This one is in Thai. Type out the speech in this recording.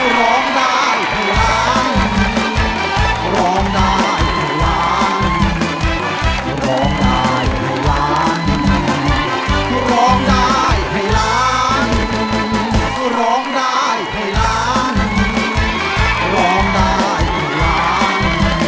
ร้องได้ให้ล้านร้องได้ให้ล้านร้องได้ให้ล้าน